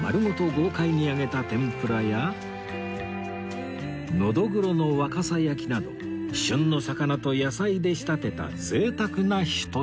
豪快に揚げた天ぷらやノドグロの若狭焼きなど旬の魚と野菜で仕立てた贅沢なひと品